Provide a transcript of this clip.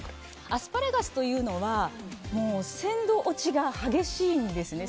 アスパラガスというのは鮮度落ちが激しいんですね。